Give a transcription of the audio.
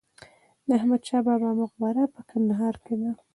د احمد شاه بابا مقبره په کندهار کې ده